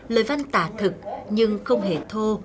lời văn tả thực nhưng không hề thô